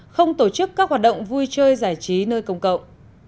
không tổ chức các hoạt động vui chơi giải trí nơi công cộng